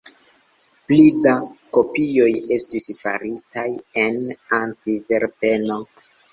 Pli da kopioj estis faritaj en Antverpeno.